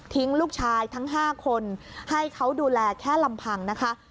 ลูกชายทั้ง๕คนให้เขาดูแลแค่ลำพังนะคะ